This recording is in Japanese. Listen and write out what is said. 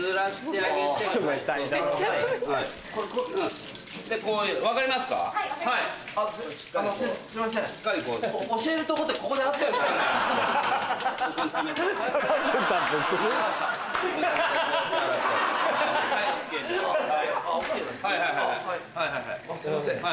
あっすいません。